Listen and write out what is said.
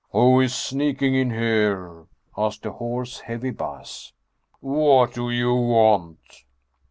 " Who is sneaking in here ?" asked a hoarse, heavy bass. " What do you want